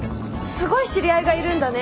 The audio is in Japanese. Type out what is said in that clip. すごい知り合いがいるんだね。